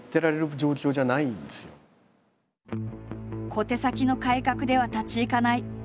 「小手先の改革では立ち行かない」。